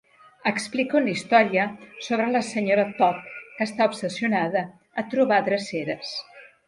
Explica una història sobre la Sra. Todd, que està obsessionada a trobar dreceres.